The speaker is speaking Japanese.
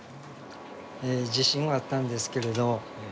自信はあったんですけれど。